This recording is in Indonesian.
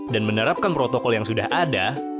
dan menerapkan protokol yang sudah ada